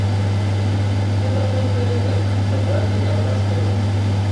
Гэта проста элемент, дакладней адна з тэмаў.